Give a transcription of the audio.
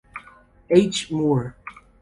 H. Moore.